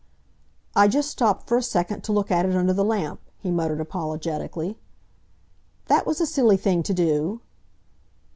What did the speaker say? "I just stopped for a second to look at it under the lamp," he muttered apologetically. "That was a silly thing to do!"